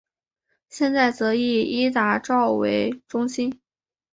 现在则以伊达邵为中心。